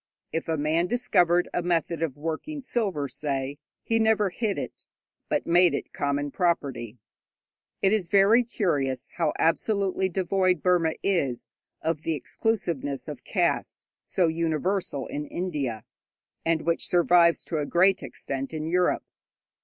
If a man discovered a method of working silver, say, he never hid it, but made it common property. It is very curious how absolutely devoid Burma is of the exclusiveness of caste so universal in India, and which survives to a great extent in Europe.